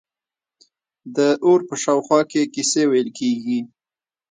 د اور په شاوخوا کې کیسې ویل کیږي.